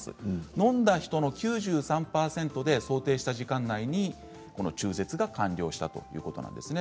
のんだ人の９３％で想定した期間内に中絶が完了したということです。